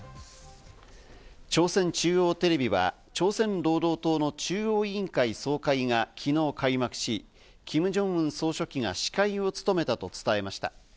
朝鮮中央テレビは朝鮮労働党の中央委員会総会が昨日開幕し、キム・ジョンウン総書記が司会を務めたと伝えました。